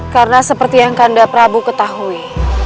karena seperti yang kanda prabu ketahui